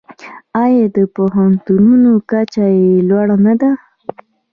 آیا د پوهنتونونو کچه یې لوړه نه ده؟